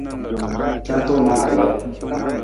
Ra tunang kalii.